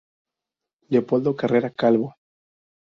Leopoldo Carrera Calvo.